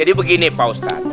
jadi begini pak ustadz